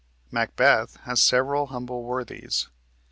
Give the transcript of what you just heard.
"Macbeth" has several humble worthies.